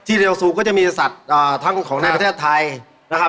เรียลซูก็จะมีสัตว์ทั้งของในประเทศไทยนะครับ